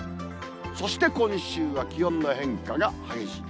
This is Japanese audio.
そして今週は気温の変化が激しい。